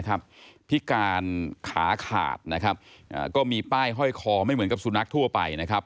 พิการขาขาดนะครับก็มีป้ายห้อยคอไม่เหมือนกับสุนัขทั่วไปนะครับ